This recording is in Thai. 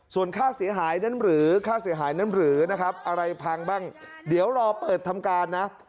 เพราะว่าส่วนค่าเสียหายน้ำหืออะไรพังบ้างเดี๋ยวรอเปิดทำการนะ